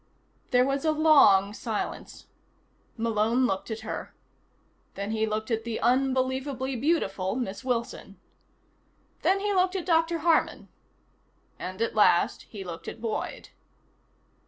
There was a long silence. Malone looked at her. Then he looked at the unbelievably beautiful Miss Wilson. Then he looked at Dr. Harman. And, at last, he looked at Boyd.